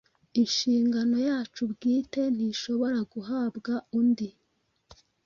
Inshingano yacu bwite ntishobora guhabwa undi "